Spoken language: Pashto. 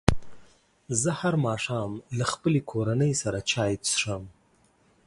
زه هر ماښام له خپلې کورنۍ سره چای څښم.